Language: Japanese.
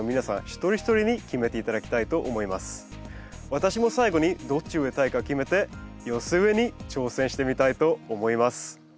私も最後にどっち植えたいか決めて寄せ植えに挑戦してみたいと思います。